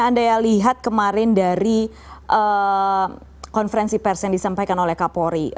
anda ya lihat kemarin dari konferensi pers yang disampaikan oleh kak pori